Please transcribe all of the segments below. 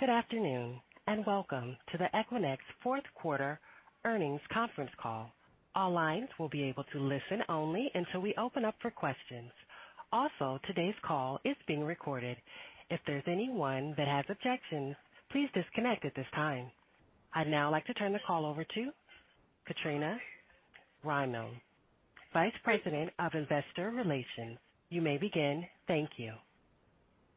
Good afternoon, welcome to the Equinix fourth quarter earnings conference call. All lines will be able to listen only until we open up for questions. Today's call is being recorded. If there's anyone that has objections, please disconnect at this time. I'd now like to turn the call over to Katrina Rymill, Vice President of Investor Relations. You may begin. Thank you.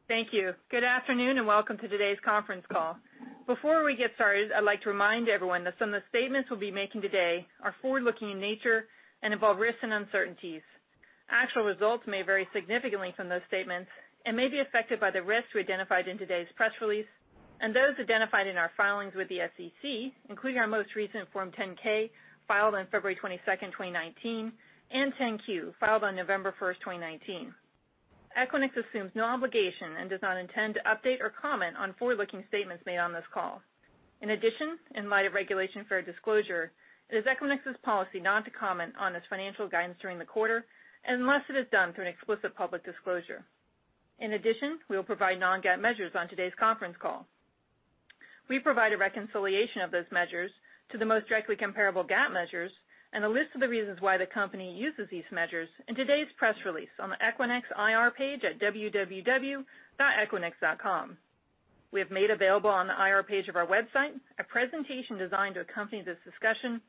Thank you. Good afternoon, and welcome to today's conference call. Before we get started, I'd like to remind everyone that some of the statements we'll be making today are forward-looking in nature and involve risks and uncertainties. Actual results may vary significantly from those statements and may be affected by the risks we identified in today's press release and those identified in our filings with the SEC, including our most recent Form 10-K filed on February 22nd, 2019, and 10-Q, filed on November 1st, 2019. Equinix assumes no obligation and does not intend to update or comment on forward-looking statements made on this call. In light of regulation fair disclosure, it is Equinix's policy not to comment on its financial guidance during the quarter unless it is done through an explicit public disclosure. We will provide non-GAAP measures on today's conference call. We provide a reconciliation of those measures to the most directly comparable GAAP measures and a list of the reasons why the company uses these measures in today's press release on the Equinix IR page at www.equinix.com. We have made available on the IR page of our website a presentation designed to accompany this discussion,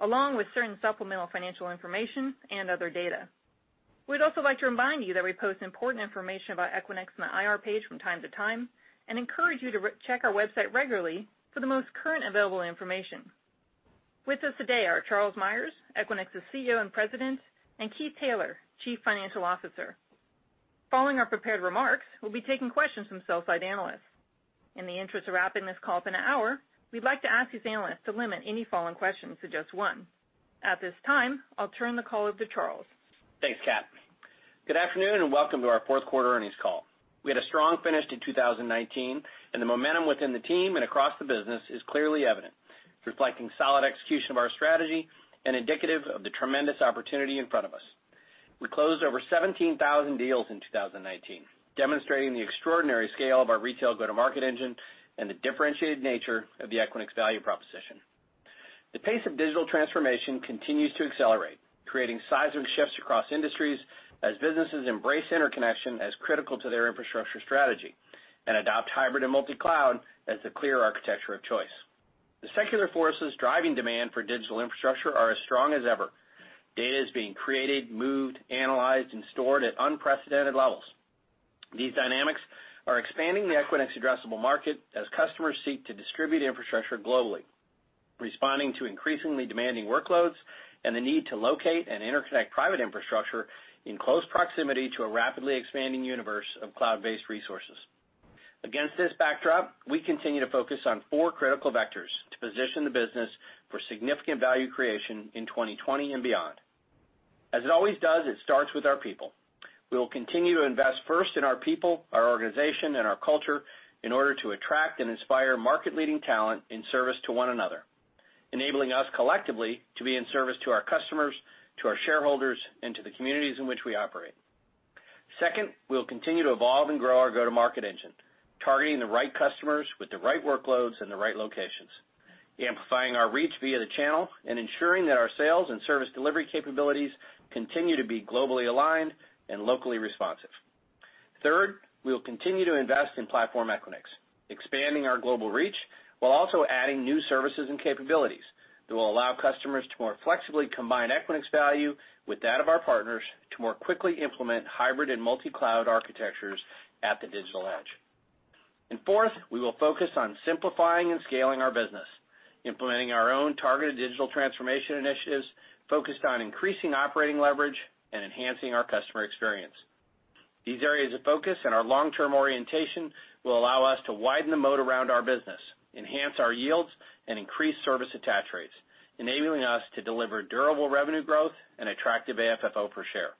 along with certain supplemental financial information and other data. We'd also like to remind you that we post important information about Equinix on the IR page from time to time and encourage you to check our website regularly for the most current available information. With us today are Charles Meyers, Equinix's CEO and President, and Keith Taylor, Chief Financial Officer. Following our prepared remarks, we'll be taking questions from sell-side analysts. In the interest of wrapping this call up in an hour, we'd like to ask these analysts to limit any follow-on questions to just one. At this time, I'll turn the call over to Charles. Thanks, Kat. Good afternoon, welcome to our fourth quarter earnings call. We had a strong finish to 2019, and the momentum within the team and across the business is clearly evident, reflecting solid execution of our strategy and indicative of the tremendous opportunity in front of us. We closed over 17,000 deals in 2019, demonstrating the extraordinary scale of our retail go-to-market engine and the differentiated nature of the Equinix value proposition. The pace of digital transformation continues to accelerate, creating seismic shifts across industries as businesses embrace interconnection as critical to their infrastructure strategy and adopt hybrid and multi-cloud as the clear architecture of choice. The secular forces driving demand for digital infrastructure are as strong as ever. Data is being created, moved, analyzed, and stored at unprecedented levels. These dynamics are expanding the Equinix addressable market as customers seek to distribute infrastructure globally, responding to increasingly demanding workloads and the need to locate and interconnect private infrastructure in close proximity to a rapidly expanding universe of cloud-based resources. Against this backdrop, we continue to focus on four critical vectors to position the business for significant value creation in 2020 and beyond. As it always does, it starts with our people. We will continue to invest first in our people, our organization, and our culture in order to attract and inspire market-leading talent in service to one another, enabling us collectively to be in service to our customers, to our shareholders, and to the communities in which we operate. Second, we will continue to evolve and grow our go-to-market engine, targeting the right customers with the right workloads in the right locations, amplifying our reach via the channel and ensuring that our sales and service delivery capabilities continue to be globally aligned and locally responsive. Third, we will continue to invest in Platform Equinix, expanding our global reach while also adding new services and capabilities that will allow customers to more flexibly combine Equinix value with that of our partners to more quickly implement hybrid and multi-cloud architectures at the digital edge. Fourth, we will focus on simplifying and scaling our business, implementing our own targeted digital transformation initiatives focused on increasing operating leverage and enhancing our customer experience. These areas of focus and our long-term orientation will allow us to widen the moat around our business, enhance our yields, and increase service attach rates, enabling us to deliver durable revenue growth and attractive AFFO per share.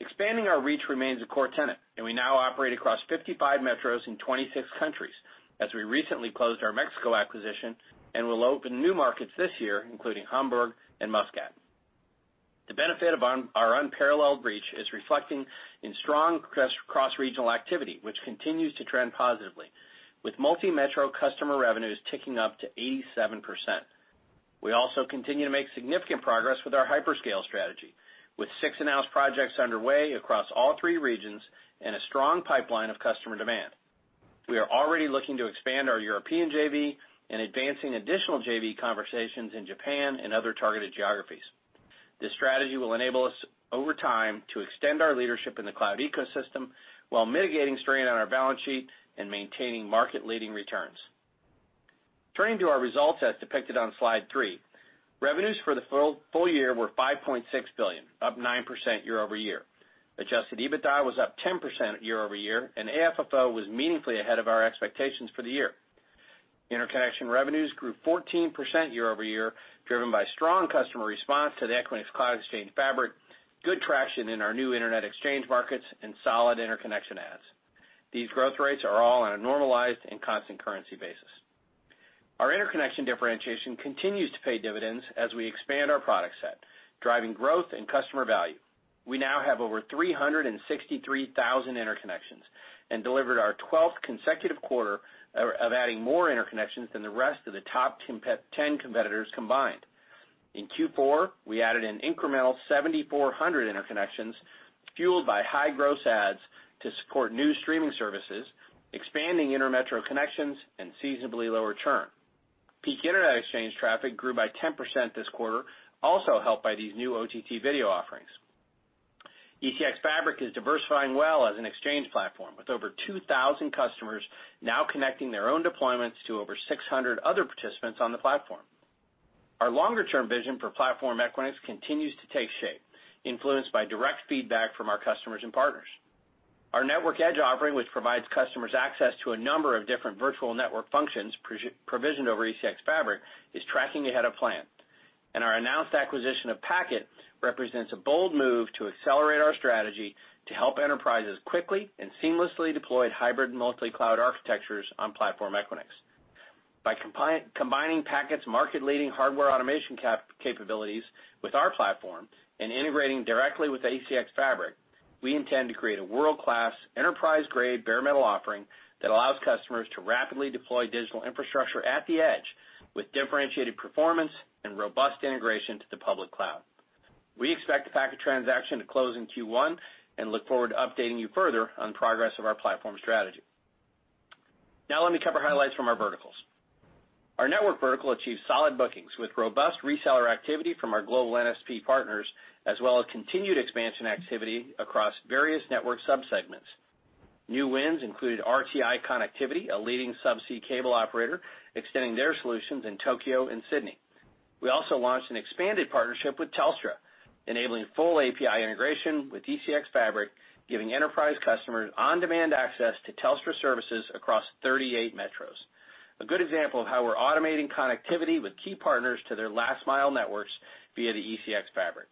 Expanding our reach remains a core tenet, and we now operate across 55 metros in 26 countries as we recently closed our Mexico acquisition and will open new markets this year, including Hamburg and Muscat. The benefit of our unparalleled reach is reflecting in strong cross-regional activity, which continues to trend positively, with multi-metro customer revenues ticking up to 87%. We also continue to make significant progress with our hyperscale strategy, with six announced projects underway across all three regions and a strong pipeline of customer demand. We are already looking to expand our European JV and advancing additional JV conversations in Japan and other targeted geographies. This strategy will enable us over time to extend our leadership in the cloud ecosystem while mitigating strain on our balance sheet and maintaining market-leading returns. Turning to our results as depicted on slide three, revenues for the full year were $5.6 billion, up 9% year-over-year. Adjusted EBITDA was up 10% year-over-year, and AFFO was meaningfully ahead of our expectations for the year. Interconnection revenues grew 14% year-over-year, driven by strong customer response to the Equinix Cloud Exchange Fabric, good traction in our new internet exchange markets, and solid interconnection adds. These growth rates are all on a normalized and constant currency basis. Our interconnection differentiation continues to pay dividends as we expand our product set, driving growth and customer value. We now have over 363,000 interconnections and delivered our 12th consecutive quarter of adding more interconnections than the rest of the top 10 competitors combined. In Q4, we added an incremental 7,400 interconnections fueled by high gross adds to support new streaming services, expanding intermetro connections, and seasonably lower churn. Peak Internet Exchange traffic grew by 10% this quarter, also helped by these new OTT video offerings. ECX Fabric is diversifying well as an exchange platform with over 2,000 customers now connecting their own deployments to over 600 other participants on the platform. Our longer-term vision for Platform Equinix continues to take shape, influenced by direct feedback from our customers and partners. Our Network Edge offering, which provides customers access to a number of different virtual network functions provisioned over ECX Fabric, is tracking ahead of plan. Our announced acquisition of Packet represents a bold move to accelerate our strategy to help enterprises quickly and seamlessly deploy hybrid multi-cloud architectures on Platform Equinix. By combining Packet's market-leading hardware automation capabilities with our platform and integrating directly with ECX Fabric, we intend to create a world-class enterprise-grade bare metal offering that allows customers to rapidly deploy digital infrastructure at the edge with differentiated performance and robust integration to the public cloud. We expect the Packet transaction to close in Q1 and look forward to updating you further on progress of our platform strategy. Let me cover highlights from our verticals. Our network vertical achieved solid bookings with robust reseller activity from our global NSP partners, as well as continued expansion activity across various network subsegments. New wins included RTI Connectivity, a leading subsea cable operator, extending their solutions in Tokyo and Sydney. We also launched an expanded partnership with Telstra, enabling full API integration with ECX Fabric, giving enterprise customers on-demand access to Telstra services across 38 metros. A good example of how we're automating connectivity with key partners to their last mile networks via the ECX Fabric.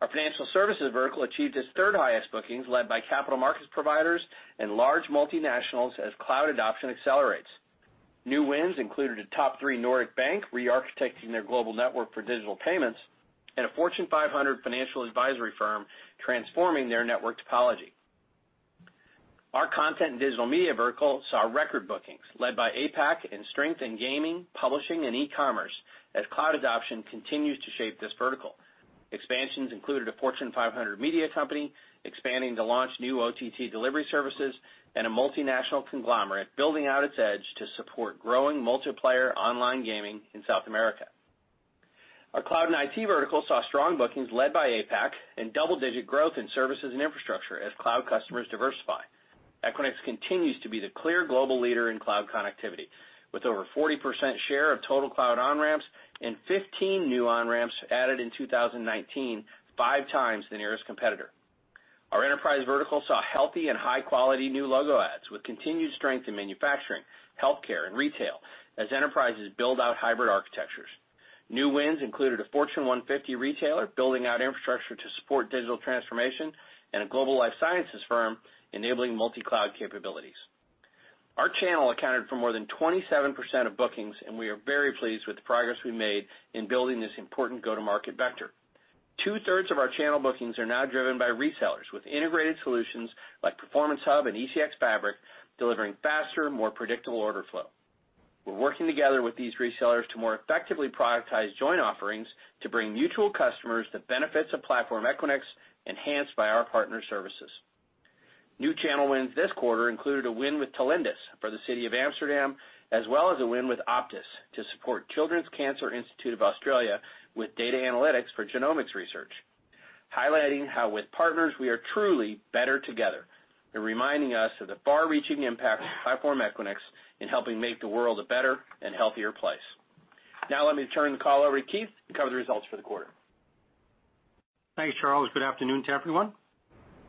Our financial services vertical achieved its third highest bookings led by capital markets providers and large multinationals as cloud adoption accelerates. New wins included a top three Nordic bank re-architecting their global network for digital payments and a Fortune 500 financial advisory firm transforming their network topology. Our content and digital media vertical saw record bookings led by APAC in strength in gaming, publishing, and e-commerce as cloud adoption continues to shape this vertical. Expansions included a Fortune 500 media company expanding to launch new OTT delivery services and a multinational conglomerate building out its edge to support growing multiplayer online gaming in South America. Our cloud and IT vertical saw strong bookings led by APAC and double-digit growth in services and infrastructure as cloud customers diversify. Equinix continues to be the clear global leader in cloud connectivity with over 40% share of total cloud on-ramps and 15 new on-ramps added in 2019, five times the nearest competitor. Our enterprise vertical saw healthy and high-quality new logo adds with continued strength in manufacturing, healthcare, and retail as enterprises build out hybrid architectures. New wins included a Fortune 150 retailer building out infrastructure to support digital transformation and a global life sciences firm enabling multi-cloud capabilities. Our channel accounted for more than 27% of bookings, and we are very pleased with the progress we made in building this important go-to-market vector. Two-thirds of our channel bookings are now driven by resellers with integrated solutions like Performance Hub and ECX Fabric, delivering faster, more predictable order flow. We're working together with these resellers to more effectively productize joint offerings to bring mutual customers the benefits of Platform Equinix enhanced by our partner services. New channel wins this quarter included a win with Telindus for the city of Amsterdam, as well as a win with Optus to support Children's Cancer Institute Australia with data analytics for genomics research, highlighting how with partners, we are truly better together and reminding us of the far-reaching impact of Platform Equinix in helping make the world a better and healthier place. Now let me turn the call over to Keith to cover the results for the quarter. Thanks, Charles. Good afternoon to everyone.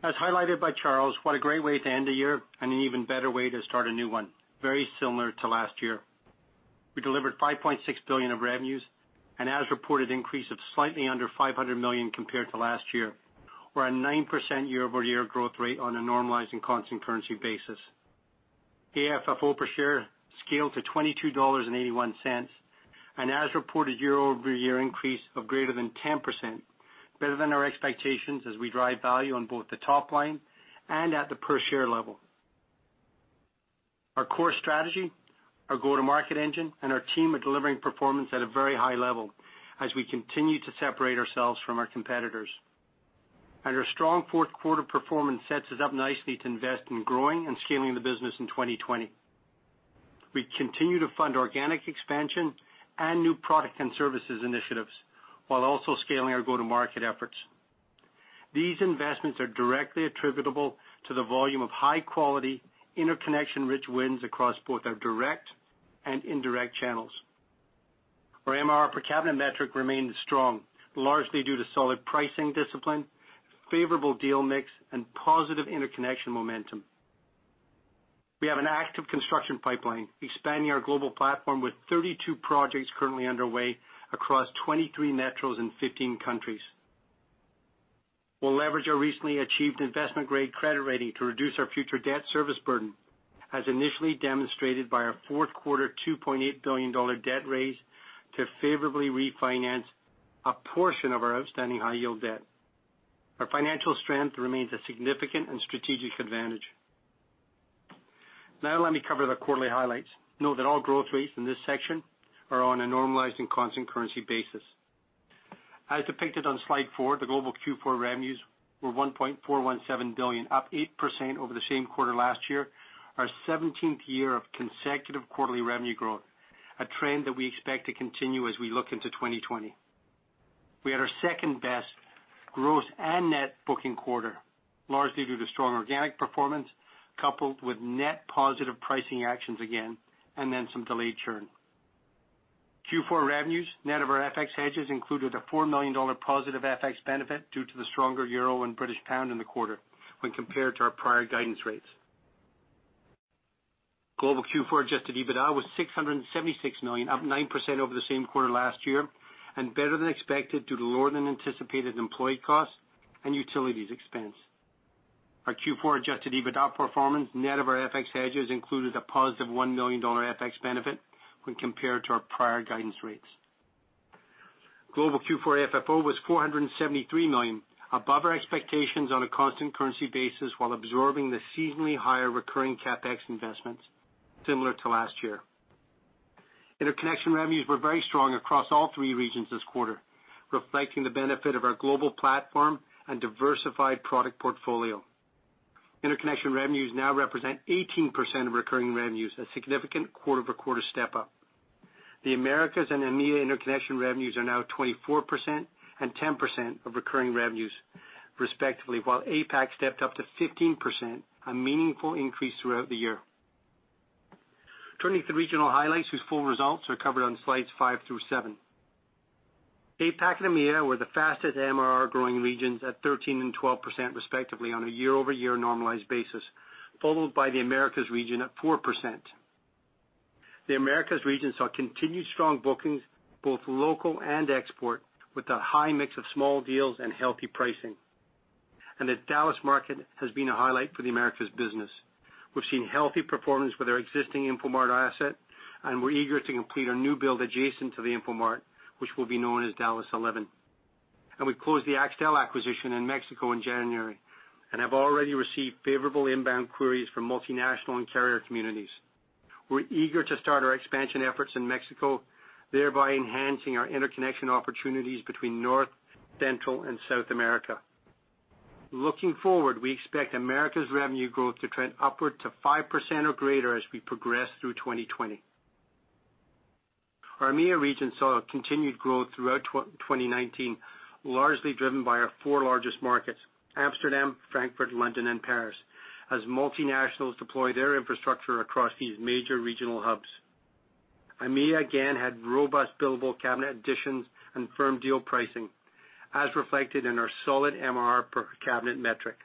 As highlighted by Charles, what a great way to end a year and an even better way to start a new one, very similar to last year. We delivered $5.6 billion of revenues and as reported increase of slightly under $500 million compared to last year, or a 9% year-over-year growth rate on a normalized and constant currency basis. AFFO per share scaled to $22.81, an as-reported year-over-year increase of greater than 10%, better than our expectations as we drive value on both the top line and at the per share level. Our core strategy, our go-to-market engine, and our team are delivering performance at a very high level as we continue to separate ourselves from our competitors. Our strong fourth quarter performance sets us up nicely to invest in growing and scaling the business in 2020. We continue to fund organic expansion and new product and services initiatives while also scaling our go-to-market efforts. These investments are directly attributable to the volume of high-quality interconnection-rich wins across both our direct and indirect channels. Our MRR per cabinet metric remains strong, largely due to solid pricing discipline, favorable deal mix, and positive interconnection momentum. We have an active construction pipeline expanding our global platform with 32 projects currently underway across 23 metros in 15 countries. We'll leverage our recently achieved investment-grade credit rating to reduce our future debt service burden, as initially demonstrated by our fourth quarter $2.8 billion debt raise to favorably refinance a portion of our outstanding high-yield debt. Our financial strength remains a significant and strategic advantage. Let me cover the quarterly highlights. Note that all growth rates in this section are on a normalized and constant currency basis. As depicted on slide four, the global Q4 revenues were $1.417 billion, up 8% over the same quarter last year, our 17th year of consecutive quarterly revenue growth, a trend that we expect to continue as we look into 2020. We had our second-best gross and net booking quarter, largely due to strong organic performance, coupled with net positive pricing actions again, some delayed churn. Q4 revenues, net of our FX hedges, included a $4 million positive FX benefit due to the stronger euro and British pound in the quarter when compared to our prior guidance rates. Global Q4 adjusted EBITDA was $676 million, up 9% over the same quarter last year, better than expected due to lower-than anticipated employee costs and utilities expense. Our Q4 adjusted EBITDA performance, net of our FX hedges, included a positive $1 million FX benefit when compared to our prior guidance rates. Global Q4 FFO was $473 million, above our expectations on a constant currency basis while absorbing the seasonally higher recurring CapEx investments similar to last year. Interconnection revenues were very strong across all three regions this quarter, reflecting the benefit of our global platform and diversified product portfolio. Interconnection revenues now represent 18% of recurring revenues, a significant quarter-over-quarter step-up. The Americas and EMEA interconnection revenues are now 24% and 10% of recurring revenues respectively, while APAC stepped up to 15%, a meaningful increase throughout the year. Turning to regional highlights, whose full results are covered on slides five through seven. APAC and EMEA were the fastest MRR growing regions at 13% and 12% respectively on a year-over-year normalized basis, followed by the Americas region at 4%. The Americas region saw continued strong bookings, both local and export, with a high mix of small deals and healthy pricing. The Dallas market has been a highlight for the Americas business. We've seen healthy performance with our existing Infomart asset, and we're eager to complete our new build adjacent to the Infomart, which will be known as DA11. We closed the Axtel acquisition in Mexico in January and have already received favorable inbound queries from multinational and carrier communities. We're eager to start our expansion efforts in Mexico, thereby enhancing our interconnection opportunities between North, Central, and South America. Looking forward, we expect Americas revenue growth to trend upward to 5% or greater as we progress through 2020. Our EMEA region saw a continued growth throughout 2019, largely driven by our four largest markets, Amsterdam, Frankfurt, London, and Paris, as multinationals deploy their infrastructure across these major regional hubs. EMEA again had robust billable cabinet additions and firm deal pricing, as reflected in our solid MRR per cabinet metric.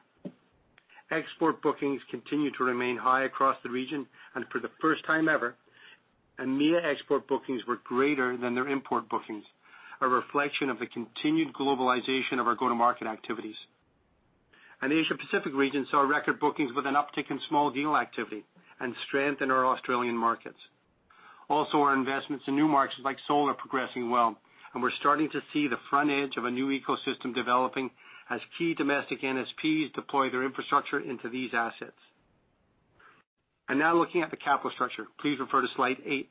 For the first time ever, EMEA export bookings were greater than their import bookings, a reflection of the continued globalization of our go-to-market activities. The Asia Pacific region saw record bookings with an uptick in small deal activity and strength in our Australian markets. Also, our investments in new markets like Seoul are progressing well, and we're starting to see the front edge of a new ecosystem developing as key domestic NSPs deploy their infrastructure into these assets. Now looking at the capital structure. Please refer to slide eight.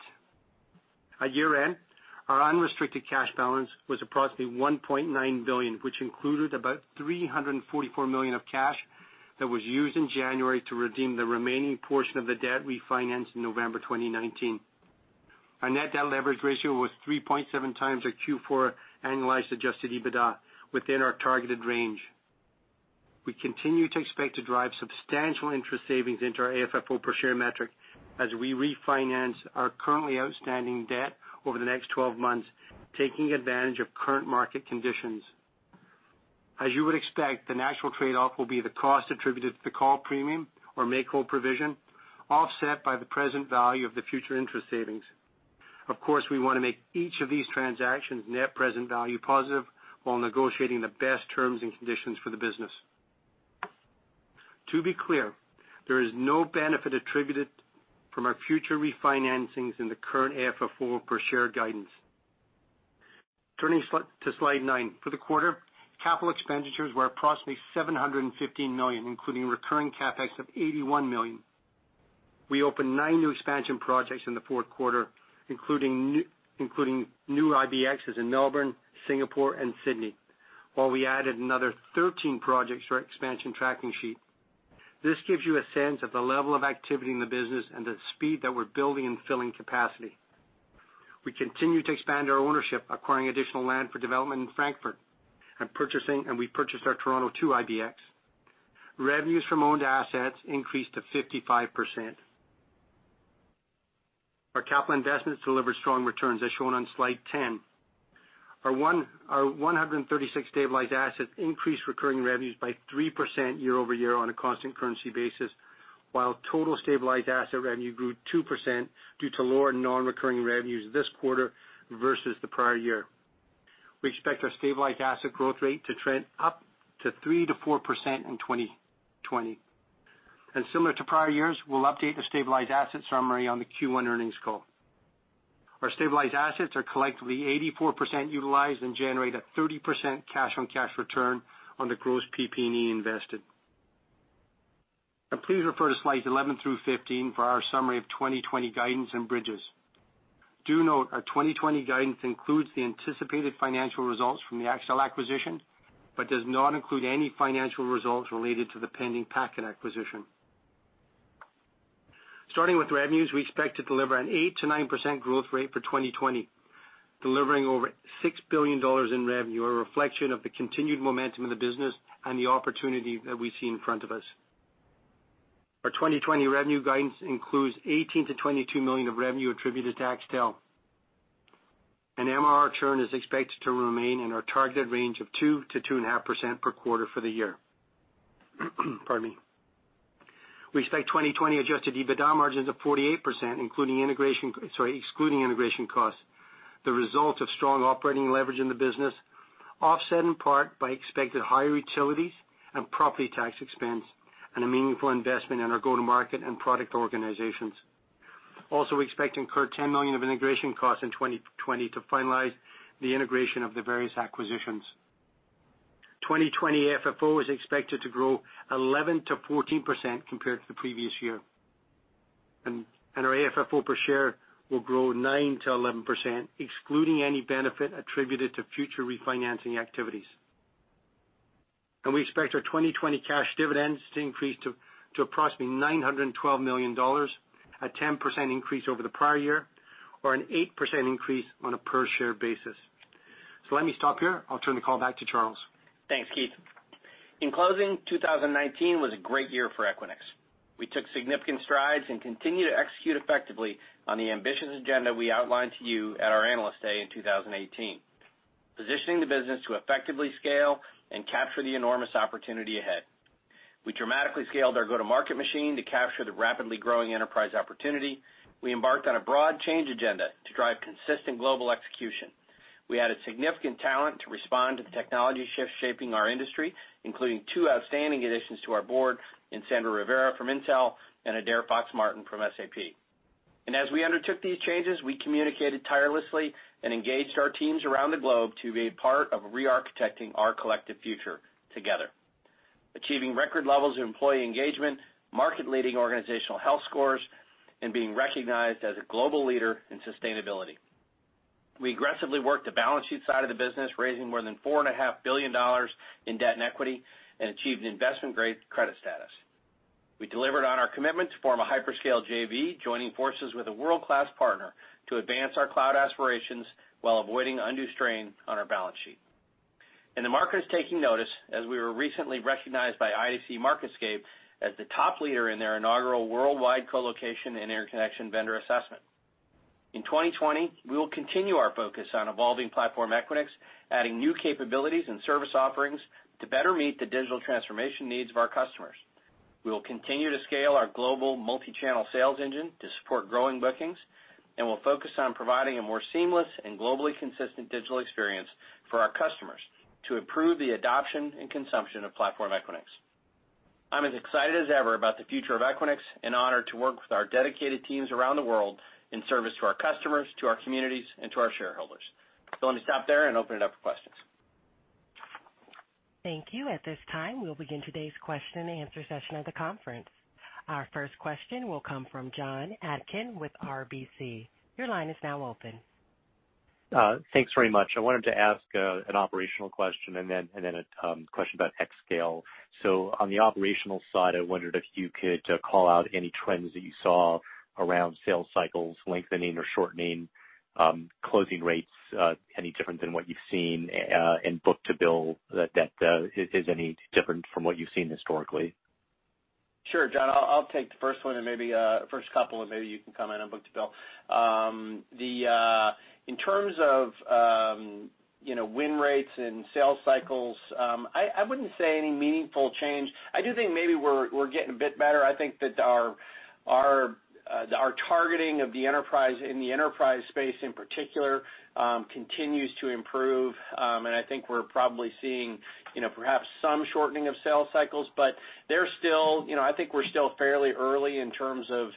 At year-end, our unrestricted cash balance was approximately $1.9 billion, which included about $344 million of cash that was used in January to redeem the remaining portion of the debt refinanced in November 2019. Our net debt leverage ratio was 3.7x our Q4 annualized adjusted EBITDA, within our targeted range. We continue to expect to drive substantial interest savings into our AFFO per share metric as we refinance our currently outstanding debt over the next 12 months, taking advantage of current market conditions. As you would expect, the natural trade-off will be the cost attributed to the call premium or make-whole provision, offset by the present value of the future interest savings. Of course, we want to make each of these transactions net present value positive while negotiating the best terms and conditions for the business. To be clear, there is no benefit attributed from our future refinancings in the current AFFO per share guidance. Turning to slide nine. For the quarter, capital expenditures were approximately $715 million, including recurring CapEx of $81 million. We opened nine new expansion projects in the fourth quarter, including new IBXs in Melbourne, Singapore, and Sydney, while we added another 13 projects to our expansion tracking sheet. This gives you a sense of the level of activity in the business and the speed that we're building and filling capacity. We continue to expand our ownership, acquiring additional land for development in Frankfurt, and we purchased our TR2 IBX. Revenues from owned assets increased to 55%. Our capital investments delivered strong returns, as shown on slide 10. Our 136 stabilized assets increased recurring revenues by 3% year-over-year on a constant currency basis. While total stabilized asset revenue grew 2% due to lower non-recurring revenues this quarter versus the prior year. We expect our stabilized asset growth rate to trend up to 3%-4% in 2020. Similar to prior years, we'll update the stabilized asset summary on the Q1 earnings call. Our stabilized assets are collectively 84% utilized and generate a 30% cash-on-cash return on the gross PP&E invested. Please refer to slides 11-15 for our summary of 2020 guidance and bridges. Do note our 2020 guidance includes the anticipated financial results from the Axtel acquisition, but does not include any financial results related to the pending Packet acquisition. Starting with revenues, we expect to deliver an 8%-9% growth rate for 2020, delivering over $6 billion in revenue, a reflection of the continued momentum of the business and the opportunity that we see in front of us. Our 2020 revenue guidance includes $18 million-$22 million of revenue attributed to Axtel. MRR churn is expected to remain in our targeted range of 2%-2.5% per quarter for the year. Pardon me. We expect 2020 adjusted EBITDA margins of 48%, excluding integration costs, the result of strong operating leverage in the business, offset in part by expected higher utilities and property tax expense and a meaningful investment in our go-to-market and product organizations. We expect to incur $10 million of integration costs in 2020 to finalize the integration of the various acquisitions. 2020 AFFO is expected to grow 11% to 14% compared to the previous year. Our AFFO per share will grow 9%-11%, excluding any benefit attributed to future refinancing activities. We expect our 2020 cash dividends to increase to approximately $912 million, a 10% increase over the prior year, or an 8% increase on a per share basis. Let me stop here. I'll turn the call back to Charles. Thanks, Keith. In closing, 2019 was a great year for Equinix. We took significant strides and continue to execute effectively on the ambitious agenda we outlined to you at our Analyst Day in 2018, positioning the business to effectively scale and capture the enormous opportunity ahead. We dramatically scaled our go-to-market machine to capture the rapidly growing enterprise opportunity. We embarked on a broad change agenda to drive consistent global execution. We added significant talent to respond to the technology shift shaping our industry, including two outstanding additions to our Board in Sandra Rivera from Intel and Adaire Fox-Martin from SAP. As we undertook these changes, we communicated tirelessly and engaged our teams around the globe to be a part of re-architecting our collective future together. Achieving record levels of employee engagement, market-leading organizational health scores, and being recognized as a global leader in sustainability. We aggressively worked the balance sheet side of the business, raising more than $4.5 billion in debt and equity, achieved an investment-grade credit status. The market is taking notice, as we were recently recognized by IDC MarketScape as the top leader in their inaugural Worldwide Colocation and Interconnection Vendor Assessment. In 2020, we will continue our focus on evolving Platform Equinix, adding new capabilities and service offerings to better meet the digital transformation needs of our customers. We will continue to scale our global multi-channel sales engine to support growing bookings, we'll focus on providing a more seamless and globally consistent digital experience for our customers to improve the adoption and consumption of Platform Equinix. I'm as excited as ever about the future of Equinix and honored to work with our dedicated teams around the world in service to our customers, to our communities, and to our shareholders. Let me stop there and open it up for questions. Thank you. At this time, we'll begin today's question and answer session of the conference. Our first question will come from Jon Atkin with RBC. Your line is now open. Thanks very much. I wanted to ask an operational question and then a question about xScale. On the operational side, I wondered if you could call out any trends that you saw around sales cycles lengthening or shortening, closing rates any different than what you've seen, and book to bill that is any different from what you've seen historically. Sure, Jon. I'll take the first couple, and maybe you can comment on book to bill. In terms of win rates and sales cycles, I wouldn't say any meaningful change. I do think maybe we're getting a bit better. I think that our targeting in the enterprise space in particular, continues to improve, and I think we're probably seeing perhaps some shortening of sales cycles, but I think we're still fairly early in terms of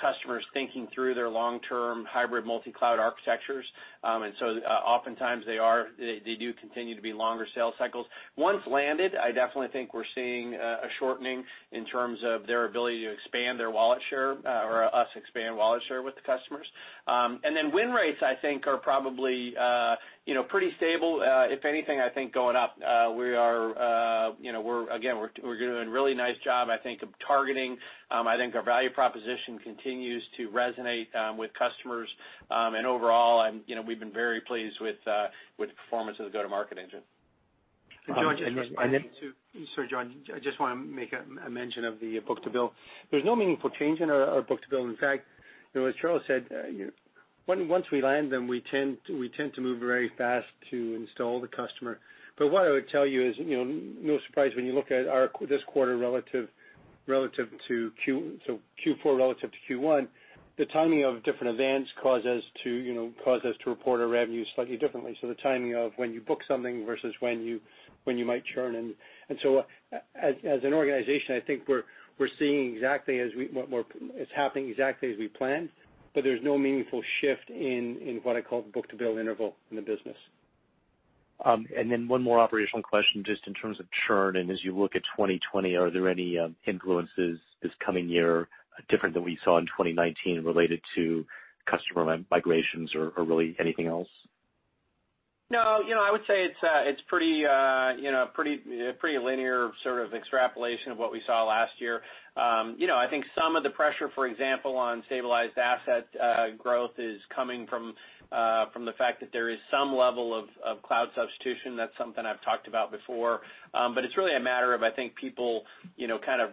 customers thinking through their long-term hybrid multi-cloud architectures. Oftentimes they do continue to be longer sales cycles. Once landed, I definitely think we're seeing a shortening in terms of their ability to expand their wallet share, or us expand wallet share with the customers. Then win rates, I think are probably pretty stable. If anything, I think going up. Again, we're doing a really nice job, I think of targeting. I think our value proposition continues to resonate with customers. Overall, we've been very pleased with the performance of the go-to-market engine. Jon, just to. And then- Sorry, Jon, I just want to make a mention of the book to bill. There's no meaningful change in our book to bill. As Charles said, once we land them, we tend to move very fast to install the customer. What I would tell you is, no surprise when you look at this quarter, so Q4 relative to Q1, the timing of different events cause us to report our revenues slightly differently. The timing of when you book something versus when you might churn in. As an organization, I think it's happening exactly as we planned, but there's no meaningful shift in what I call book-to-bill interval in the business. One more operational question, just in terms of churn and as you look at 2020, are there any influences this coming year different than we saw in 2019 related to customer migrations or really anything else? No. I would say it's a pretty linear extrapolation of what we saw last year. I think some of the pressure, for example, on stabilized asset growth is coming from the fact that there is some level of cloud substitution. That's something I've talked about before. It's really a matter of, I think, people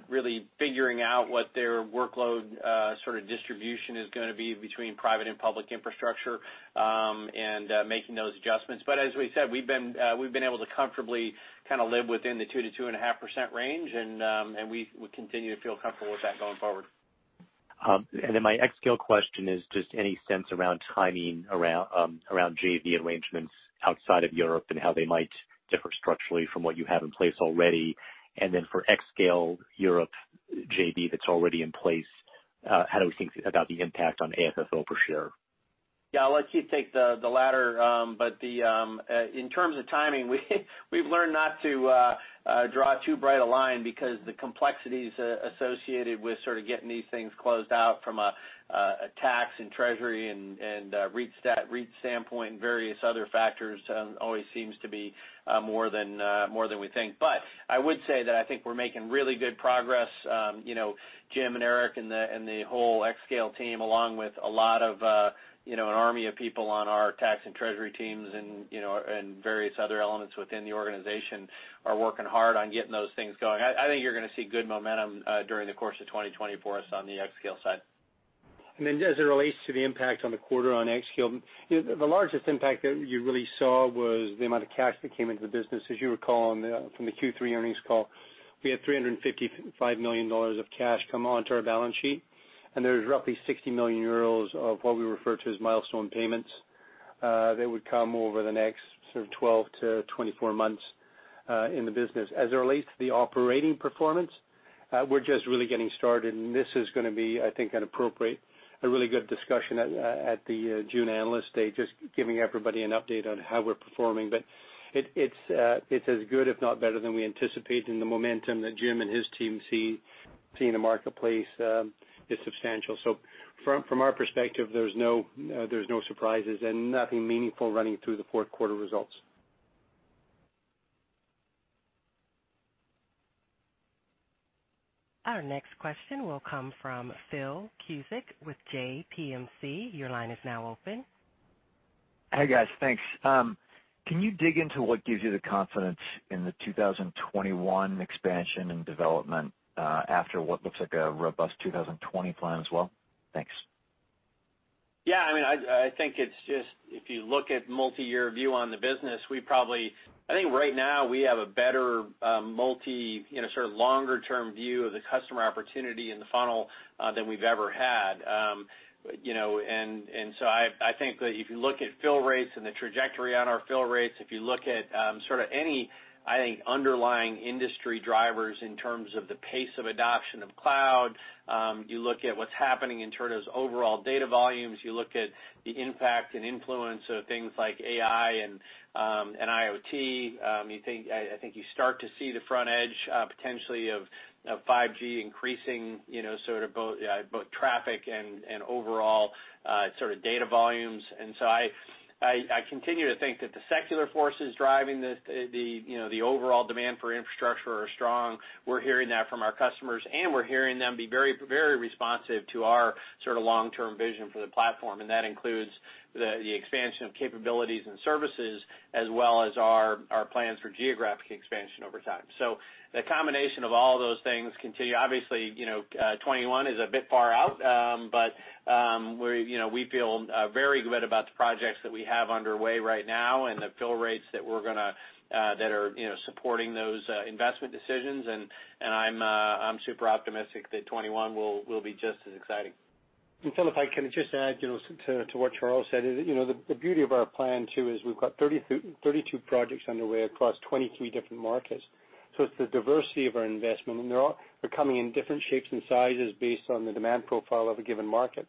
really figuring out what their workload distribution is going to be between private and public infrastructure, and making those adjustments. As we said, we've been able to comfortably live within the 2%-2.5% range, and we continue to feel comfortable with that going forward. My xScale question is just any sense around timing, around JV arrangements outside of Europe and how they might differ structurally from what you have in place already. For xScale Europe JV that's already in place, how do we think about the impact on AFFO per share? I'll let Steve take the latter. In terms of timing, we've learned not to draw too bright a line because the complexities associated with getting these things closed out from a tax and treasury and REIT standpoint and various other factors always seems to be more than we think. I would say that I think we're making really good progress. Jim and Erik and the whole xScale team, along with an army of people on our tax and treasury teams and various other elements within the organization are working hard on getting those things going. I think you're going to see good momentum during the course of 2020 for us on the xScale side. As it relates to the impact on the quarter on xScale, the largest impact that you really saw was the amount of cash that came into the business. As you recall from the Q3 earnings call, we had $355 million of cash come onto our balance sheet, and there was roughly 60 million euros of what we refer to as milestone payments that would come over the next sort of 12-24 months in the business. As it relates to the operating performance, we're just really getting started, this is going to be, I think, an appropriate, a really good discussion at the June Analyst Day, just giving everybody an update on how we're performing. It's as good, if not better than we anticipated, and the momentum that Jim and his team see in the marketplace is substantial. From our perspective, there's no surprises and nothing meaningful running through the fourth quarter results. Our next question will come from Phil Cusick with JPMC. Your line is now open. Hey, guys. Thanks. Can you dig into what gives you the confidence in the 2021 expansion and development after what looks like a robust 2020 plan as well? Thanks. Yeah, I think it's just if you look at multi-year view on the business, I think right now we have a better multi longer-term view of the customer opportunity in the funnel than we've ever had. I think that if you look at fill rates and the trajectory on our fill rates, if you look at any, I think, underlying industry drivers in terms of the pace of adoption of cloud, you look at what's happening in terms of overall data volumes, you look at the impact and influence of things like AI and IoT, I think you start to see the front edge, potentially, of 5G increasing both traffic and overall data volumes. I continue to think that the secular forces driving the overall demand for infrastructure are strong. We're hearing that from our customers, we're hearing them be very responsive to our long-term vision for the platform, and that includes the expansion of capabilities and services as well as our plans for geographic expansion over time. The combination of all those things continue. Obviously, 2021 is a bit far out, but we feel very good about the projects that we have underway right now and the fill rates that are supporting those investment decisions. I'm super optimistic that 2021 will be just as exciting. Phil, if I can just add to what Charles said. The beauty of our plan too is we've got 32 projects underway across 23 different markets. It's the diversity of our investment, and they're coming in different shapes and sizes based on the demand profile of a given market.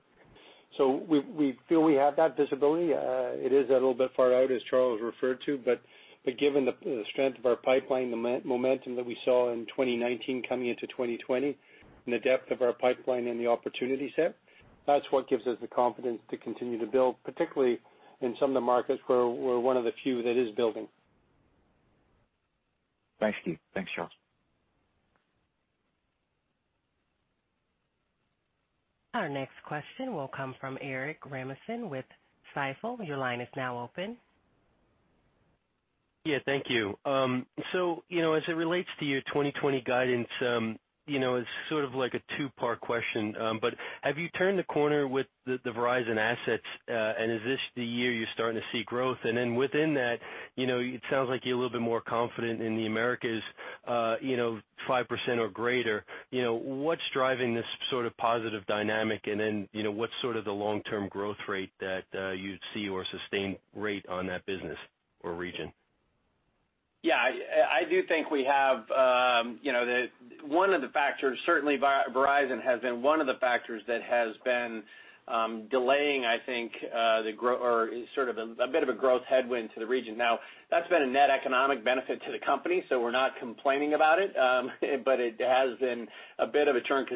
We feel we have that visibility. It is a little bit far out, as Charles referred to, but given the strength of our pipeline, the momentum that we saw in 2019 coming into 2020, and the depth of our pipeline and the opportunity set, that's what gives us the confidence to continue to build, particularly in some of the markets where we're one of the few that is building. Thanks, Keith. Thanks, Charles. Our next question will come from Erik Rasmussen with Stifel. Your line is now open. Yeah. Thank you. As it relates to your 2020 guidance, it's sort of like a two-part question. Have you turned the corner with the Verizon assets, and is this the year you're starting to see growth? Within that, it sounds like you're a little bit more confident in the Americas, 5% or greater. What's driving this sort of positive dynamic? What's sort of the long-term growth rate that you'd see or sustained rate on that business or region? Yeah, I do think we One of the factors, certainly Verizon has been one of the factors that has been delaying, I think, or is sort of a bit of a growth headwind to the region. That's been a net economic benefit to the company, we're not complaining about it. It has been a bit of a churn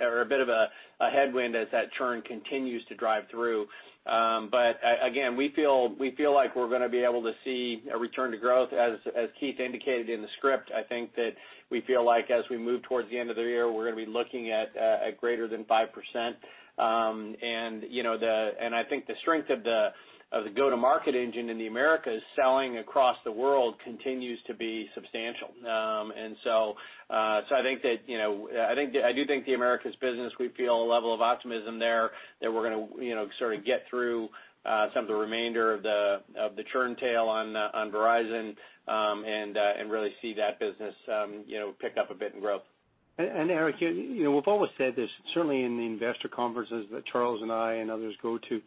or a bit of a headwind as that churn continues to drive through. Again, we feel like we're going to be able to see a return to growth, as Keith indicated in the script. I think that we feel like as we move towards the end of the year, we're going to be looking at greater than 5%. I think the strength of the go-to-market engine in the Americas selling across the world continues to be substantial. I do think the Americas business, we feel a level of optimism there that we're going to sort of get through some of the remainder of the churn tail on Verizon, and really see that business pick up a bit in growth. Eric, we've always said this, certainly in the investor conferences that Charles and I and others go to.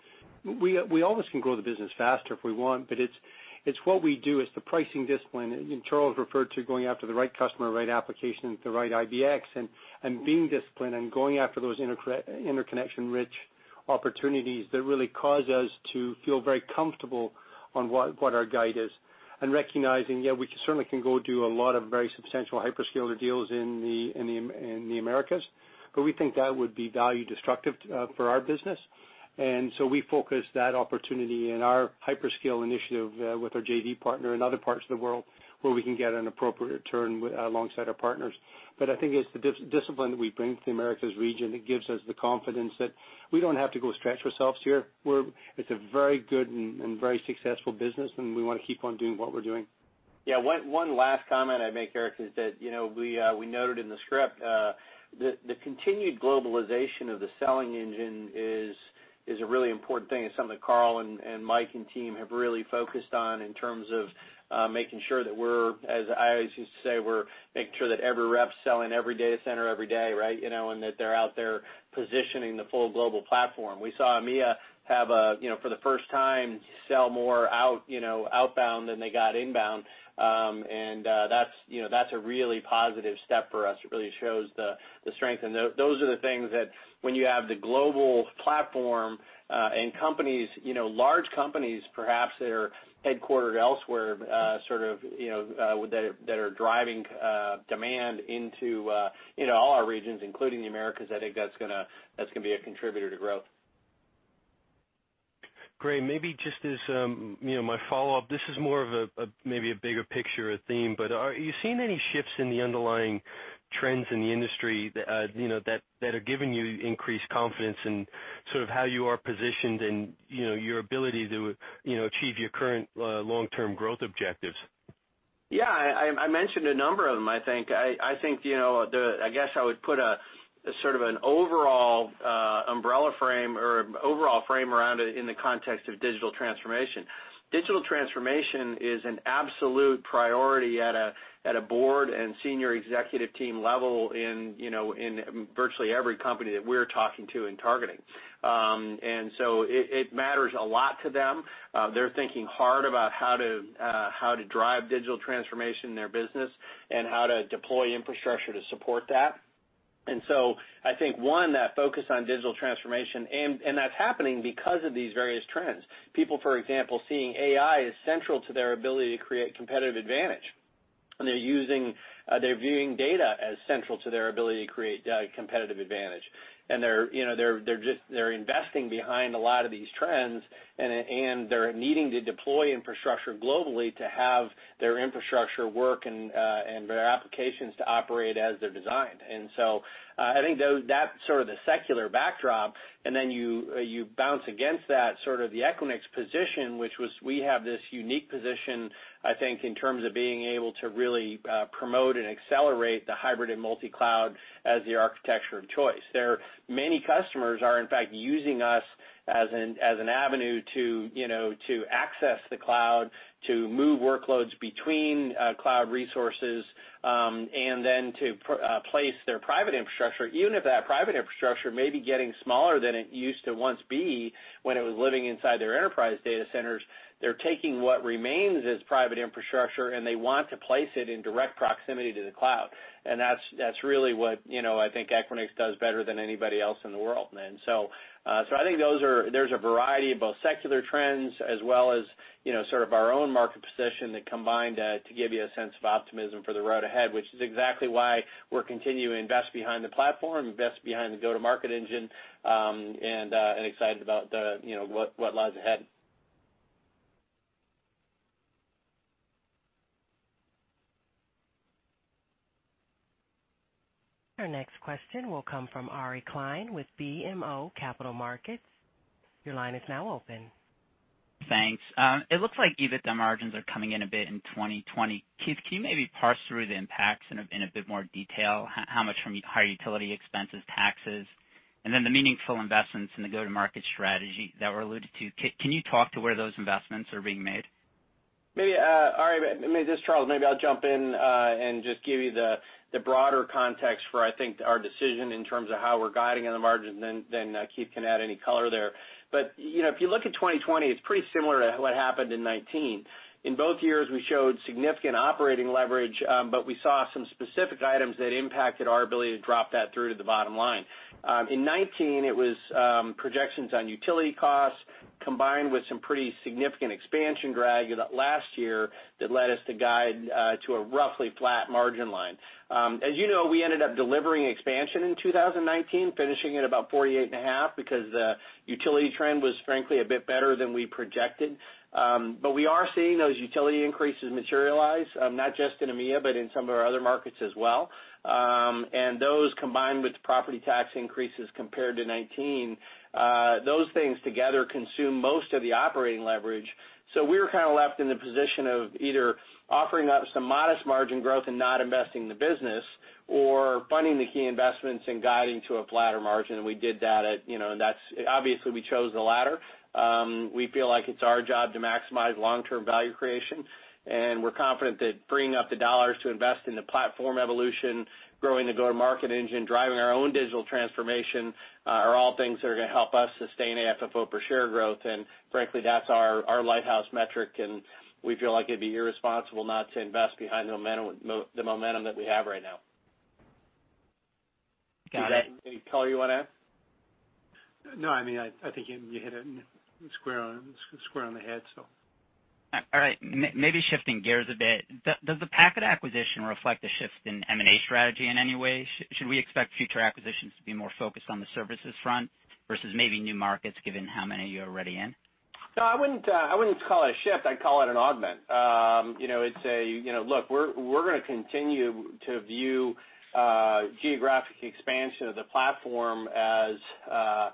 We always can grow the business faster if we want, but it's what we do. It's the pricing discipline. Charles referred to going after the right customer, right application at the right IBX, and being disciplined and going after those interconnection-rich opportunities that really cause us to feel very comfortable on what our guide is. Recognizing, yeah, we certainly can go do a lot of very substantial hyperscaler deals in the Americas, but we think that would be value destructive for our business. We focus that opportunity and our hyperscale initiative with our JV partner in other parts of the world where we can get an appropriate return alongside our partners. I think it's the discipline that we bring to the Americas region that gives us the confidence that we don't have to go stretch ourselves here, where it's a very good and very successful business, and we want to keep on doing what we're doing. Yeah. One last comment I'd make, Erik, is that we noted in the script, the continued globalization of the selling engine is a really important thing, and something that Karl and Mike and team have really focused on in terms of making sure that we're, as I always used to say, we're making sure that every rep's selling every data center every day, right? That they're out there positioning the full global Platform Equinix. We saw EMEA have a, for the first time, sell more outbound than they got inbound. That's a really positive step for us. It really shows the strength. Those are the things that when you have the global Platform Equinix, and large companies, perhaps, that are headquartered elsewhere, that are driving demand into all our regions, including the Americas, I think that's going to be a contributor to growth. Great. Maybe just as my follow-up, this is more of maybe a bigger picture or theme. Are you seeing any shifts in the underlying trends in the industry that are giving you increased confidence in sort of how you are positioned and your ability to achieve your current long-term growth objectives? Yeah. I mentioned a number of them, I think. I guess I would put a sort of an overall umbrella frame or overall frame around it in the context of digital transformation. Digital transformation is an absolute priority at a board and senior executive team level in virtually every company that we're talking to and targeting. It matters a lot to them. They're thinking hard about how to drive digital transformation in their business and how to deploy infrastructure to support that. I think, one, that focus on digital transformation, and that's happening because of these various trends. People, for example, seeing AI as central to their ability to create competitive advantage. They're viewing data as central to their ability to create competitive advantage. They're investing behind a lot of these trends, and they're needing to deploy infrastructure globally to have their infrastructure work and their applications to operate as they're designed. I think that's sort of the secular backdrop. You bounce against that, sort of the Equinix position, which was we have this unique position, I think, in terms of being able to really promote and accelerate the hybrid and multi-cloud as the architecture of choice. Many customers are, in fact, using us as an avenue to access the cloud, to move workloads between cloud resources, and then to place their private infrastructure, even if that private infrastructure may be getting smaller than it used to once be when it was living inside their enterprise data centers. They're taking what remains as private infrastructure, and they want to place it in direct proximity to the cloud. That's really what I think Equinix does better than anybody else in the world. I think there's a variety of both secular trends as well as sort of our own market position that combined to give you a sense of optimism for the road ahead, which is exactly why we're continuing to invest behind the platform, invest behind the go-to-market engine, and excited about what lies ahead. Our next question will come from Ari Klein with BMO Capital Markets. Your line is now open. Thanks. It looks like EBITDA margins are coming in a bit in 2020. Keith, can you maybe parse through the impacts in a bit more detail? How much from higher utility expenses, taxes? The meaningful investments in the go-to-market strategy that were alluded to. Can you talk to where those investments are being made? Ari, this is Charles. Maybe I'll jump in and just give you the broader context for, I think, our decision in terms of how we're guiding on the margin, then Keith can add any color there. If you look at 2020, it's pretty similar to what happened in 2019. In both years, we showed significant operating leverage, but we saw some specific items that impacted our ability to drop that through to the bottom line. In 2019, it was projections on utility costs combined with some pretty significant expansion drag last year that led us to guide to a roughly flat margin line. As you know, we ended up delivering expansion in 2019, finishing at about 48.5%, because the utility trend was frankly a bit better than we projected. We are seeing those utility increases materialize, not just in EMEA, but in some of our other markets as well. Those, combined with the property tax increases compared to 2019, those things together consume most of the operating leverage. We were left in the position of either offering up some modest margin growth and not investing in the business or funding the key investments and guiding to a flatter margin. We did that, obviously, we chose the latter. We feel like it's our job to maximize long-term value creation, and we're confident that bringing up the dollars to invest in the Platform evolution, growing the go-to-market engine, driving our own digital transformation, are all things that are going to help us sustain AFFO per share growth. Frankly, that's our lighthouse metric, and we feel like it'd be irresponsible not to invest behind the momentum that we have right now. Got it. Keith, any color you want to add? No, I think you hit it square on the head. All right, maybe shifting gears a bit. Does the Packet acquisition reflect a shift in M&A strategy in any way? Should we expect future acquisitions to be more focused on the services front versus maybe new markets, given how many you're already in? No, I wouldn't call it a shift. I'd call it an augment. Look, we're going to continue to view geographic expansion of the platform as a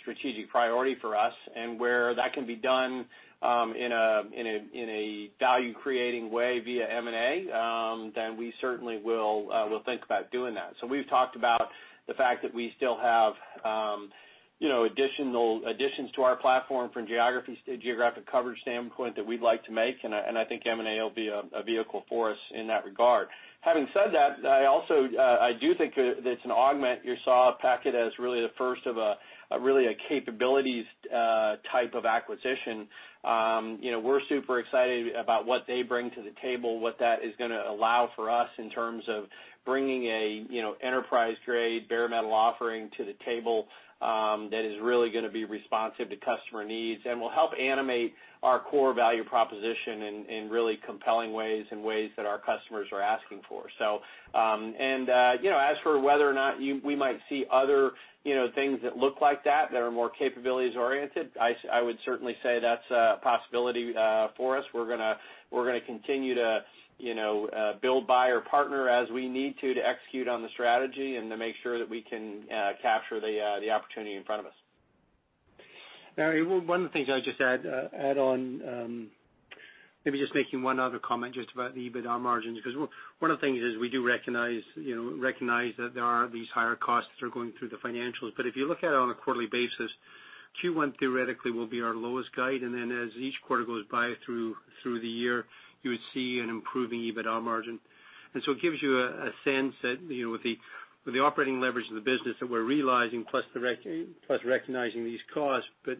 strategic priority for us, and where that can be done in a value-creating way via M&A, then we certainly will think about doing that. We've talked about the fact that we still have additions to our platform from geographic coverage standpoint that we'd like to make, and I think M&A will be a vehicle for us in that regard. Having said that, I do think that it's an augment. You saw Packet as really the first of a capabilities type of acquisition. We're super excited about what they bring to the table, what that is going to allow for us in terms of bringing an enterprise-grade, bare metal offering to the table that is really going to be responsive to customer needs and will help animate our core value proposition in really compelling ways and ways that our customers are asking for. As for whether or not we might see other things that look like that are more capabilities-oriented, I would certainly say that's a possibility for us. We're going to continue to build, buy, or partner as we need to execute on the strategy and to make sure that we can capture the opportunity in front of us. Ari, one of the things I'll just add on, maybe just making one other comment just about the EBITDA margins, because one of the things is we do recognize that there are these higher costs that are going through the financials. If you look at it on a quarterly basis, Q1 theoretically will be our lowest guide, and then as each quarter goes by through the year, you would see an improving EBITDA margin. It gives you a sense that with the operating leverage of the business that we're realizing, plus recognizing these costs, but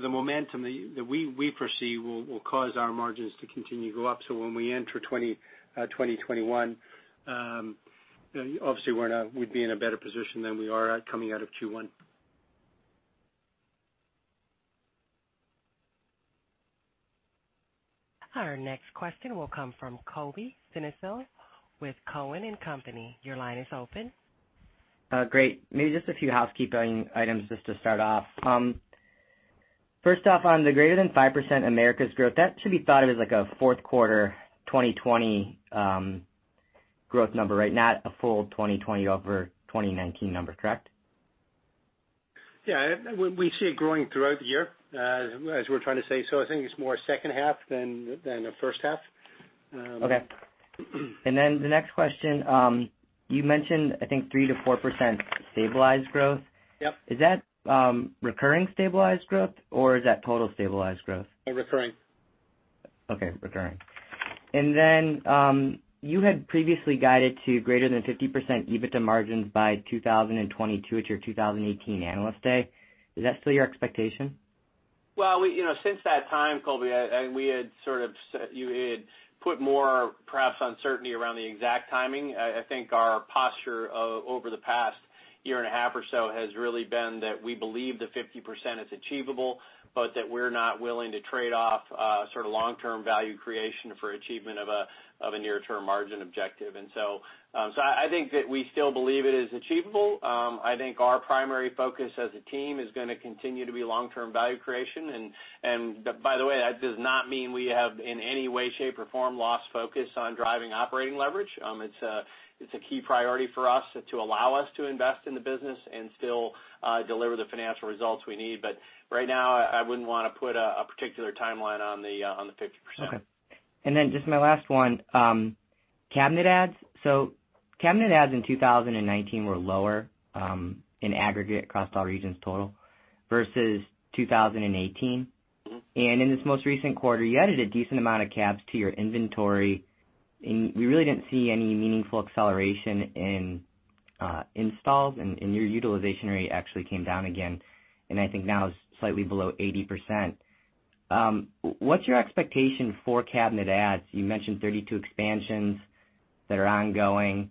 the momentum that we foresee will cause our margins to continue to go up. When we enter 2021, obviously we'd be in a better position than we are at coming out of Q1. Our next question will come from Colby Synesael with Cowen and Company. Your line is open. Great. Maybe just a few housekeeping items just to start off. On the greater than 5% Americas growth, that should be thought of as like a fourth quarter 2020 growth number, not a full 2020 over 2019 number, correct? Yeah. We see it growing throughout the year, as we're trying to say. I think it's more second half than the first half. Okay. The next question. You mentioned, I think, 3% to 4% stabilized growth. Yep. Is that recurring stabilized growth, or is that total stabilized growth? Recurring. Okay, recurring. You had previously guided to greater than 50% EBITDA margins by 2022 at your 2018 Analyst Day. Is that still your expectation? Well, since that time, Colby, we had put more, perhaps, uncertainty around the exact timing. I think our posture over the past year and a half or so has really been that we believe the 50% is achievable, that we're not willing to trade off long-term value creation for achievement of a near-term margin objective. I think that we still believe it is achievable. I think our primary focus as a team is going to continue to be long-term value creation. That does not mean we have, in any way, shape, or form, lost focus on driving operating leverage. It's a key priority for us to allow us to invest in the business and still deliver the financial results we need. Right now, I wouldn't want to put a particular timeline on the 50%. Okay. Just my last one Cabinet adds. Cabinet adds in 2019 were lower in aggregate across all regions total versus 2018. In this most recent quarter, you added a decent amount of cabs to your inventory, and we really didn't see any meaningful acceleration in installs and your utilization rate actually came down again, and I think now is slightly below 80%. What's your expectation for cabinet adds? You mentioned 32 expansions that are ongoing.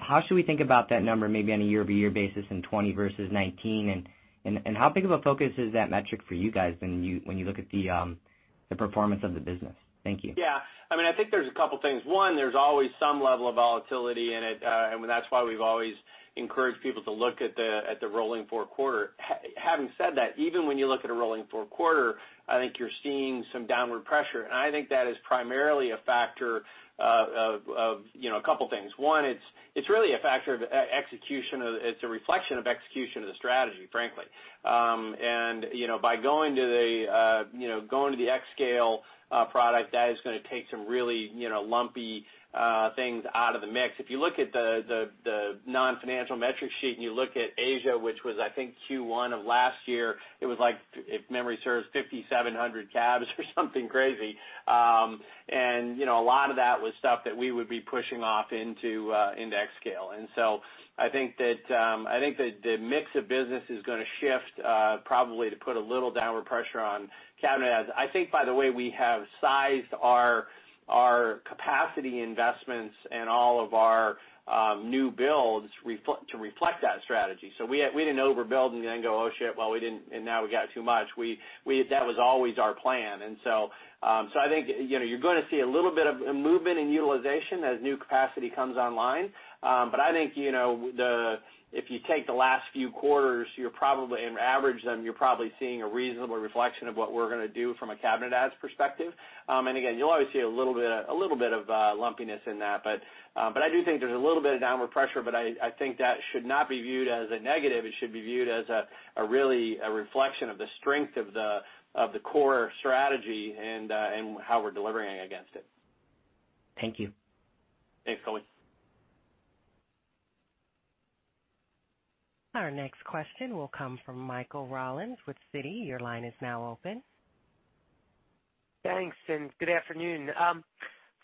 How should we think about that number maybe on a year-over-year basis in 2020 versus 2019, and how big of a focus is that metric for you guys when you look at the performance of the business? Thank you. Yeah. I think there's a couple things. One, there's always some level of volatility in it, and that's why we've always encouraged people to look at the rolling four quarter. Having said that, even when you look at a rolling four quarter, I think you're seeing some downward pressure, and I think that is primarily a factor of a couple things. One, it's really a factor of execution. It's a reflection of execution of the strategy, frankly. By going to the xScale product, that is going to take some really lumpy things out of the mix. If you look at the non-financial metric sheet, and you look at Asia, which was, I think, Q1 of last year, it was like, if memory serves, 5,700 cabs or something crazy. A lot of that was stuff that we would be pushing off into xScale. I think that the mix of business is going to shift probably to put a little downward pressure on cabinet adds. I think, by the way, we have sized our capacity investments and all of our new builds to reflect that strategy. We didn't overbuild and then go, "Oh, shit. Well, we didn't, and now we got too much." That was always our plan. I think you're going to see a little bit of movement in utilization as new capacity comes online. I think if you take the last few quarters and average them, you're probably seeing a reasonable reflection of what we're going to do from a cabinet adds perspective. Again, you'll always see a little bit of lumpiness in that. I do think there's a little bit of downward pressure, but I think that should not be viewed as a negative. It should be viewed as really a reflection of the strength of the core strategy and how we're delivering against it. Thank you. Thanks, Colby. Our next question will come from Michael Rollins with Citi. Your line is now open. Thanks. Good afternoon.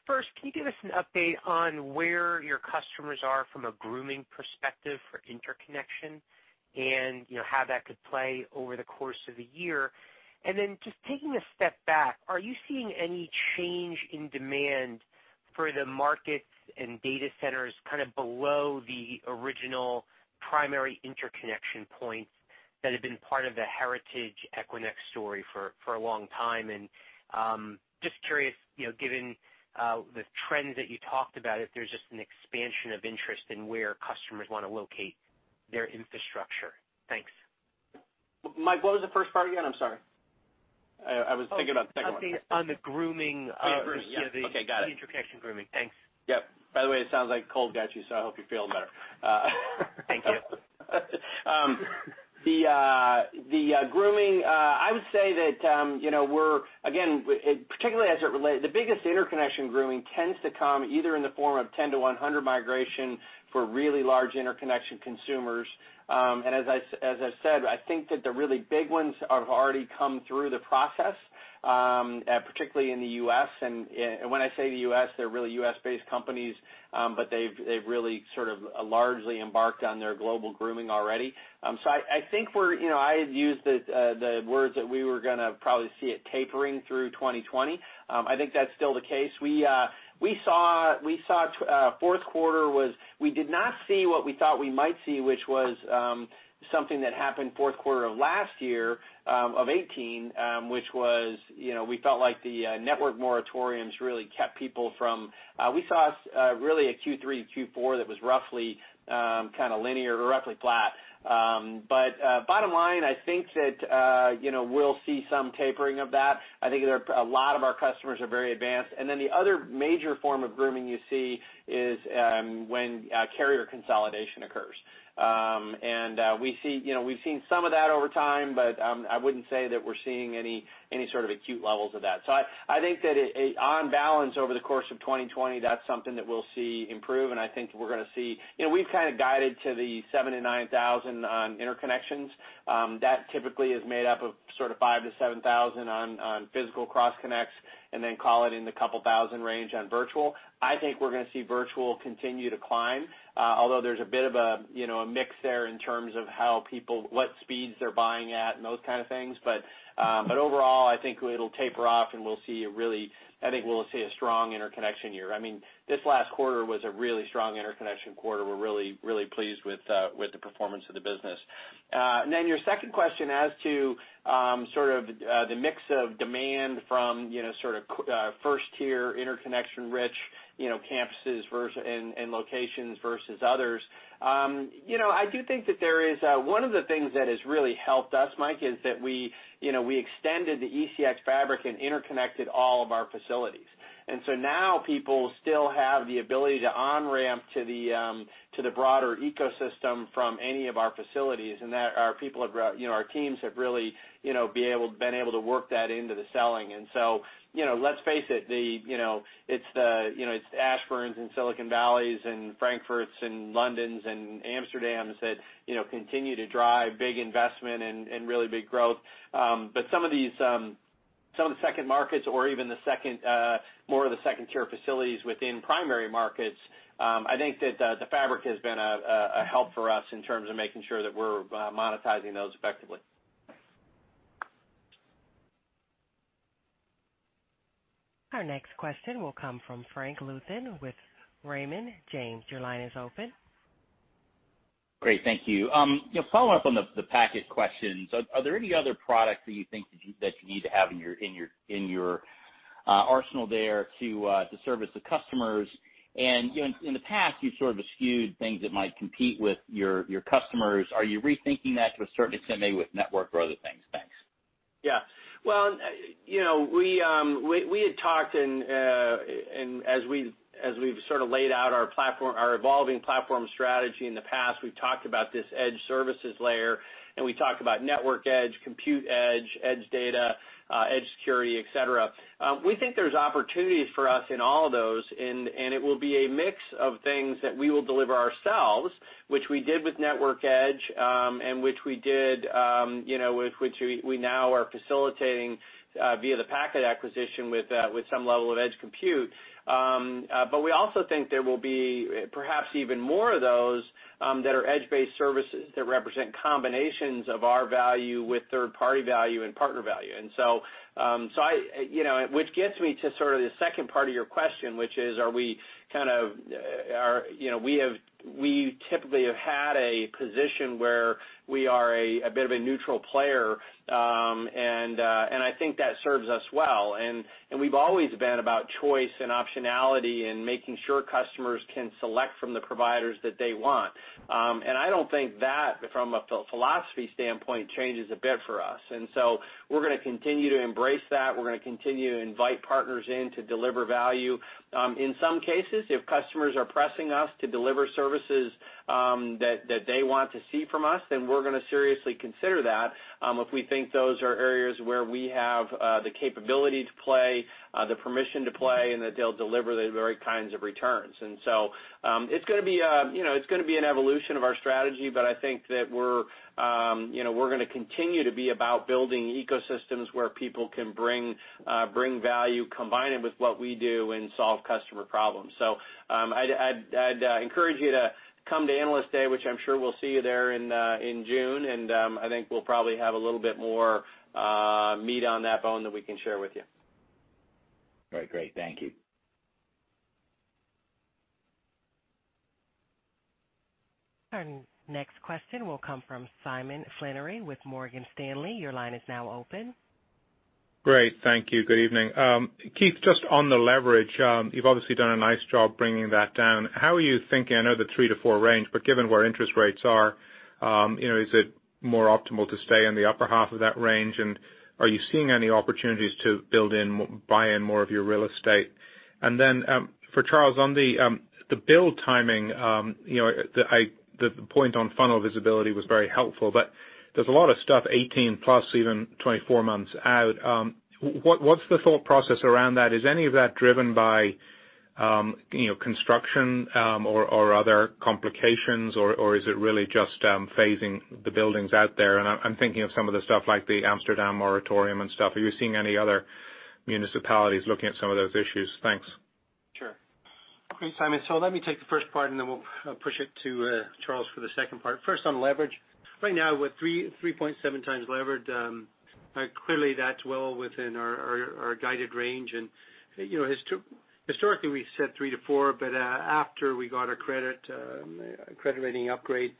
First, can you give us an update on where your customers are from a grooming perspective for interconnection and how that could play over the course of the year? Just taking a step back, are you seeing any change in demand for the markets and data centers below the original primary interconnection points that have been part of the heritage Equinix story for a long time? Just curious, given the trends that you talked about, if there's just an expansion of interest in where customers want to locate their infrastructure. Thanks. Mike, what was the first part again? I'm sorry. I was thinking about the second one. Oh. Interconnection. Okay, got it the interconnection grooming. Thanks. Yep. By the way, it sounds like a cold got you, so I hope you're feeling better. Thank you. The grooming, I would say that we're, again, the biggest interconnection grooming tends to come either in the form of 10 to 100 migration for really large interconnection consumers. As I said, I think that the really big ones have already come through the process, particularly in the U.S. When I say the U.S., they're really U.S.-based companies, but they've really largely embarked on their global grooming already. I think I've used the words that we were going to probably see it tapering through 2020. I think that's still the case. We saw fourth quarter was we did not see what we thought we might see, which was something that happened fourth quarter of last year, of 2018, which was we felt like the network moratoriums really kept people from. We saw really a Q3, Q4 that was roughly linear or roughly flat. Bottom line, I think that we'll see some tapering of that. I think a lot of our customers are very advanced. Then the other major form of grooming you see is when carrier consolidation occurs. We've seen some of that over time, but I wouldn't say that we're seeing any sort of acute levels of that. I think that on balance over the course of 2020, that's something that we'll see improve, and I think we're going to see. We've guided to the 7,000-9,000 on interconnections. That typically is made up of 5,000-7,000 on physical cross-connects, and then call it in the 2,000 range on virtual. I think we're going to see virtual continue to climb. There's a bit of a mix there in terms of what speeds they're buying at and those kind of things. Overall, I think it'll taper off, and I think we'll see a strong interconnection year. This last quarter was a really strong interconnection quarter. We're really pleased with the performance of the business. Your second question as to the mix of demand from 1st-tier interconnection-rich campuses and locations versus others. I do think that one of the things that has really helped us, Mike, is that we extended the ECX Fabric and interconnected all of our facilities. Now people still have the ability to on-ramp to the broader ecosystem from any of our facilities, and our teams have really been able to work that into the selling. Let's face it's the Ashburns and Silicon Valleys and Frankfurts and Londons and Amsterdams that continue to drive big investment and really big growth. Some of the second markets or even more of the second-tier facilities within primary markets, I think that the Fabric has been a help for us in terms of making sure that we're monetizing those effectively. Our next question will come from Frank Louthan with Raymond James. Your line is open. Great, thank you. Following up on the Packet questions, are there any other products that you think that you need to have in your arsenal there to service the customers? In the past, you've sort of eschewed things that might compete with your customers. Are you rethinking that to a certain extent, maybe with network or other things? Thanks. Yeah. We had talked. As we've sort of laid out our evolving platform strategy in the past, we've talked about this edge services layer. We talked about network edge, compute edge data, edge security, etc. We think there's opportunities for us in all of those. It will be a mix of things that we will deliver ourselves, which we did with Network Edge, and which we now are facilitating via the Packet acquisition with some level of edge compute. We also think there will be perhaps even more of those that are edge-based services that represent combinations of our value with third-party value and partner value. Which gets me to sort of the second part of your question, which is, we typically have had a position where we are a bit of a neutral player, and I think that serves us well. We've always been about choice and optionality and making sure customers can select from the providers that they want. I don't think that, from a philosophy standpoint, changes a bit for us. We're going to continue to embrace that. We're going to continue to invite partners in to deliver value. In some cases, if customers are pressing us to deliver services that they want to see from us, then we're going to seriously consider that if we think those are areas where we have the capability to play, the permission to play, and that they'll deliver the right kinds of returns. It's going to be an evolution of our strategy, but I think that we're going to continue to be about building ecosystems where people can bring value, combine it with what we do, and solve customer problems. I'd encourage you to come to Analyst Day, which I'm sure we'll see you there in June, and I think we'll probably have a little bit more meat on that bone that we can share with you. All right, great. Thank you. Our next question will come from Simon Flannery with Morgan Stanley. Your line is now open. Great, thank you. Good evening. Keith, just on the leverage, you've obviously done a nice job bringing that down. How are you thinking, I know the 3-4 range, but given where interest rates are, is it more optimal to stay in the upper half of that range? Are you seeing any opportunities to buy in more of your real estate? For Charles, on the build timing, the point on funnel visibility was very helpful, but there's a lot of stuff 18+, even 24 months out. What's the thought process around that? Is any of that driven by construction or other complications, or is it really just phasing the buildings out there? I'm thinking of some of the stuff like the Amsterdam moratorium and stuff. Are you seeing any other municipalities looking at some of those issues? Thanks. Okay, Simon. Let me take the first part, and then we'll push it to Charles for the second part. First on leverage. Right now, we're 3.7x levered. Clearly, that's well within our guided range. Historically, we said three to four, but after we got our credit rating upgrade,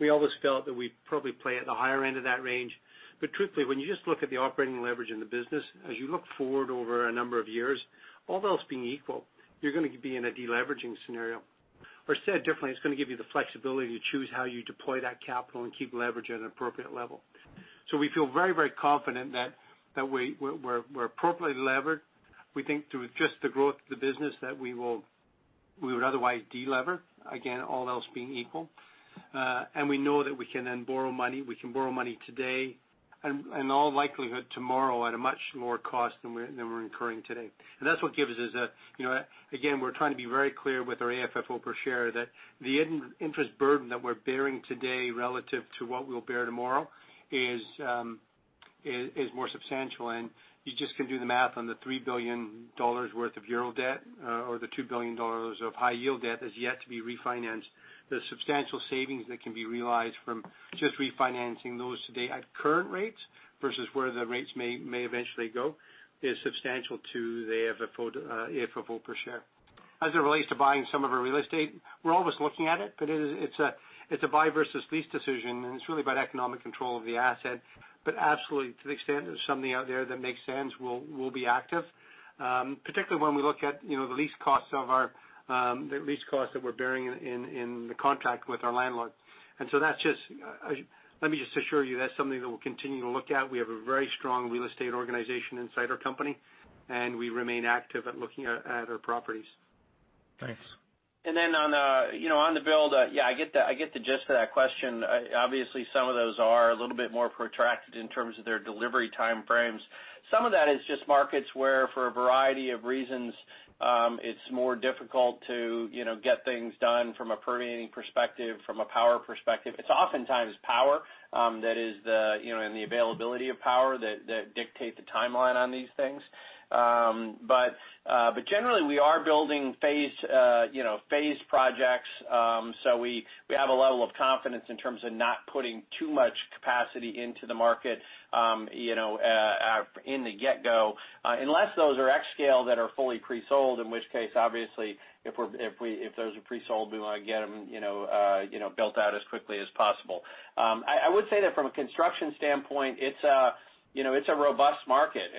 we always felt that we'd probably play at the higher end of that range. Truthfully, when you just look at the operating leverage in the business, as you look forward over a number of years, all else being equal, you're going to be in a de-leveraging scenario. Said differently, it's going to give you the flexibility to choose how you deploy that capital and keep leverage at an appropriate level. We feel very confident that we're appropriately levered. We think through just the growth of the business that we would otherwise de-lever, again, all else being equal. We know that we can then borrow money. We can borrow money today, in all likelihood tomorrow, at a much lower cost than we're incurring today. That's what gives us, again, we're trying to be very clear with our AFFO per share that the interest burden that we're bearing today relative to what we'll bear tomorrow is more substantial. You just can do the math on the EUR 3 billion worth of euro debt or the $2 billion of high-yield debt that's yet to be refinanced. The substantial savings that can be realized from just refinancing those today at current rates versus where the rates may eventually go is substantial to the AFFO per share. As it relates to buying some of our real estate, we're always looking at it, but it's a buy versus lease decision, and it's really about economic control of the asset. Absolutely, to the extent there's something out there that makes sense, we'll be active, particularly when we look at the lease costs that we're bearing in the contract with our landlord. Let me just assure you, that's something that we'll continue to look at. We have a very strong real estate organization inside our company, and we remain active at looking at our properties. Thanks. On the build, yeah, I get the gist of that question. Obviously, some of those are a little bit more protracted in terms of their delivery time frames. Some of that is just markets where, for a variety of reasons, it's more difficult to get things done from a permitting perspective, from a power perspective. It's oftentimes power and the availability of power that dictate the timeline on these things. Generally, we are building phased projects. We have a level of confidence in terms of not putting too much capacity into the market in the get-go. Unless those are xScale that are fully pre-sold, in which case, obviously, if those are pre-sold, we want to get them built out as quickly as possible. I would say that from a construction standpoint, it's a robust market.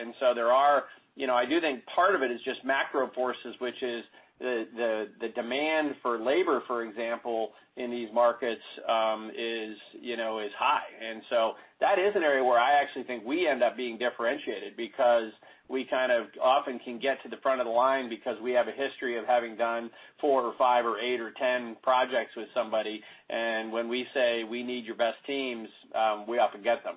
I do think part of it is just macro forces, which is the demand for labor, for example, in these markets is high. That is an area where I actually think we end up being differentiated because we kind of often can get to the front of the line because we have a history of having done four or five or eight or 10 projects with somebody. When we say we need your best teams, we often get them.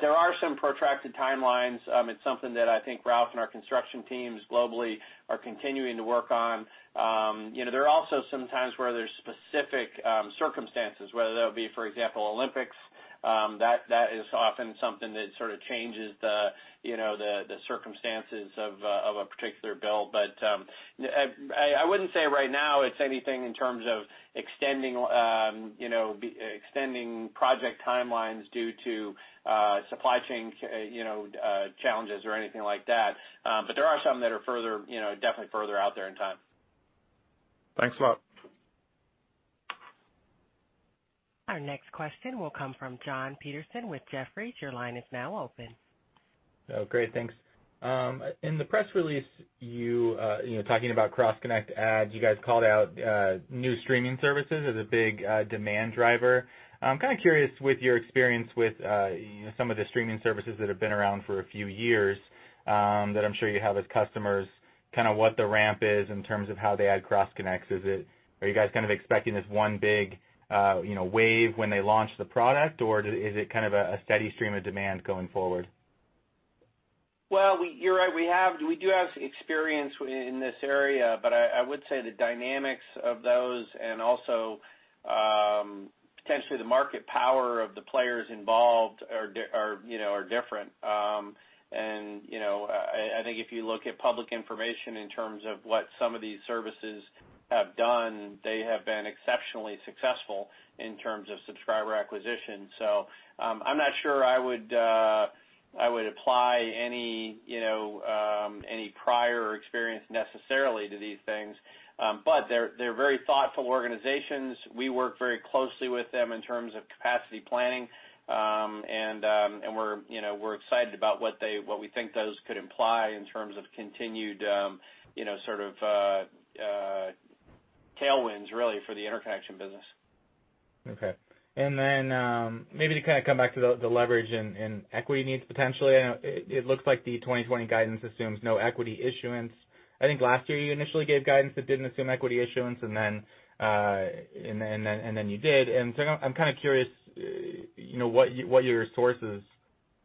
There are some protracted timelines. It's something that I think Ralph and our construction teams globally are continuing to work on. There are also some times where there's specific circumstances, whether that would be, for example, Olympics. That is often something that sort of changes the circumstances of a particular build. I wouldn't say right now it's anything in terms of extending project timelines due to supply chain challenges or anything like that. There are some that are definitely further out there in time. Thanks a lot. Our next question will come from Jon Petersen with Jefferies. Your line is now open. Oh, great. Thanks. In the press release, talking about cross-connect adds, you guys called out new streaming services as a big demand driver. I'm kind of curious with your experience with some of the streaming services that have been around for a few years, that I'm sure you have as customers, what the ramp is in terms of how they add cross connects. Are you guys kind of expecting this one big wave when they launch the product? Or is it kind of a steady stream of demand going forward? Well, you're right. We do have experience in this area, but I would say the dynamics of those and also potentially the market power of the players involved are different. I think if you look at public information in terms of what some of these services have done, they have been exceptionally successful in terms of subscriber acquisition. I'm not sure I would apply any prior experience necessarily to these things. They're very thoughtful organizations. We work very closely with them in terms of capacity planning. We're excited about what we think those could imply in terms of continued sort of tailwinds, really, for the interconnection business. Okay. Maybe to kind of come back to the leverage and equity needs potentially. It looks like the 2020 guidance assumes no equity issuance. I think last year you initially gave guidance that didn't assume equity issuance, and then you did. I'm kind of curious what your sources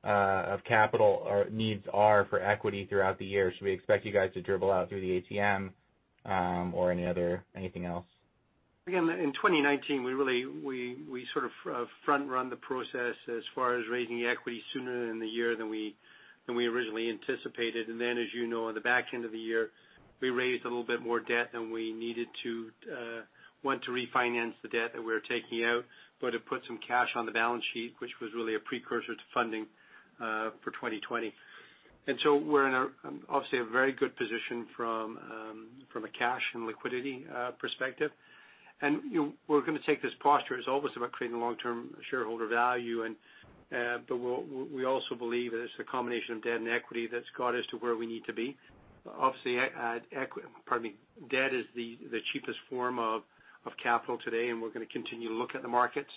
of capital needs are for equity throughout the year. Should we expect you guys to dribble out through the ATM or anything else? In 2019, we sort of front-run the process as far as raising equity sooner in the year than we originally anticipated. As you know, on the back end of the year, we raised a little bit more debt than we needed to. We wanted to refinance the debt that we were taking out, but to put some cash on the balance sheet, which was really a precursor to funding for 2020. We're in, obviously, a very good position from a cash and liquidity perspective. We're going to take this posture. It's always about creating long-term shareholder value. We also believe that it's a combination of debt and equity that's got us to where we need to be. Obviously, debt is the cheapest form of capital today, and we're going to continue to look at the markets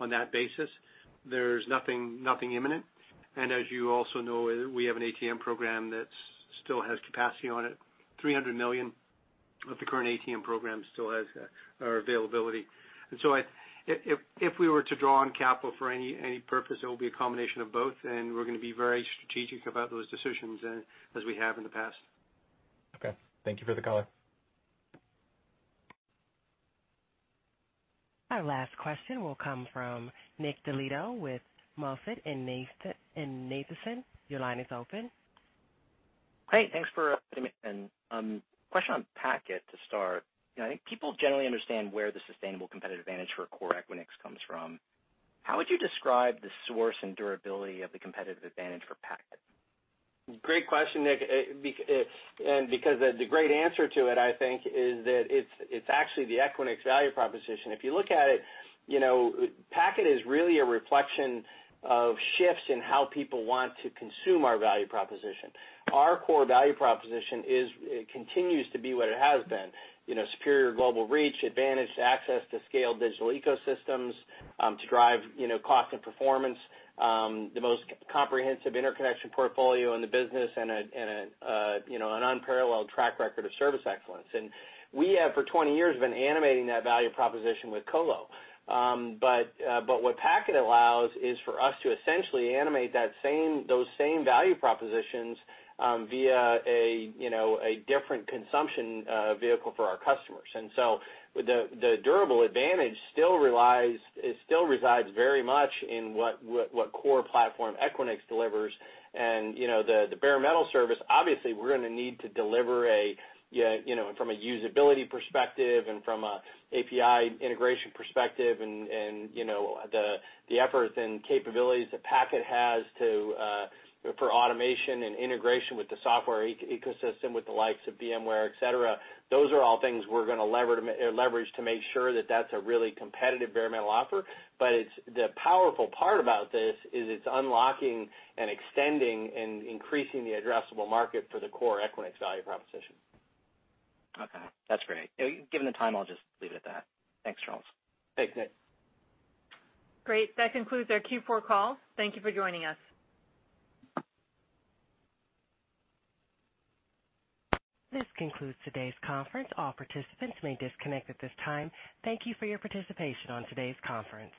on that basis. There's nothing imminent. As you also know, we have an ATM program that still has capacity on it. $300 million of the current ATM program still has availability. If we were to draw on capital for any purpose, it will be a combination of both, and we're going to be very strategic about those decisions as we have in the past. Okay. Thank you for the color. Our last question will come from Nick Del Deo with MoffettNathanson. Your line is open. Great. Thanks for letting me in. Question on Packet to start. I think people generally understand where the sustainable competitive advantage for core Equinix comes from. How would you describe the source and durability of the competitive advantage for Packet? Great question, Nick. Because the great answer to it, I think, is that it's actually the Equinix value proposition. If you look at it, Packet is really a reflection of shifts in how people want to consume our value proposition. Our core value proposition continues to be what it has been. Superior global reach, advantage to access to scale digital ecosystems to drive cost and performance, the most comprehensive interconnection portfolio in the business, and an unparalleled track record of service excellence. We have, for 20 years, been animating that value proposition with Colo. What Packet allows is for us to essentially animate those same value propositions via a different consumption vehicle for our customers. The durable advantage still resides very much in what core Platform Equinix delivers and the bare metal service. Obviously, we're going to need to deliver from a usability perspective and from an API integration perspective and the efforts and capabilities that Packet has for automation and integration with the software ecosystem, with the likes of VMware, etc. Those are all things we're going to leverage to make sure that that's a really competitive bare metal offer. The powerful part about this is it's unlocking and extending and increasing the addressable market for the core Equinix value proposition. Okay. That's great. Given the time, I'll just leave it at that. Thanks, Charles. Thanks, Nick. Great. That concludes our Q4 call. Thank you for joining us. This concludes today's conference. All participants may disconnect at this time. Thank you for your participation on today's conference.